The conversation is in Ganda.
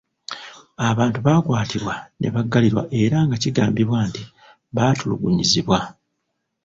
Abantu baakwatibwa ne baggalirwa era nga kigambibwa nti baatulugunyizibwa.